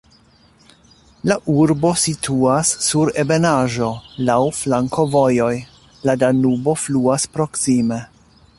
La urbo situas sur ebenaĵo, laŭ flankovojoj, la Danubo fluas proksime.